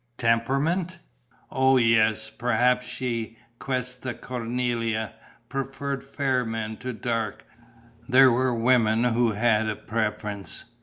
Temperament? Oh, yes, perhaps she questa Cornelia preferred fair men to dark: there were women who had a preference!